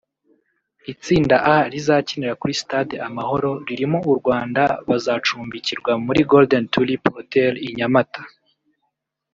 Itsinda A rizakinira kuri stade Amahoro ririmo u Rwanda bazacumbikirwa muri Golden Tulip Hotel i Nyamata